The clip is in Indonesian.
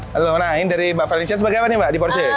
halo nah ini dari mbak valension sebagai apa nih mbak di porsi